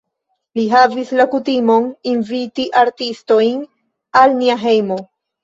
Li havis la kutimon inviti artistojn al nia hejmo.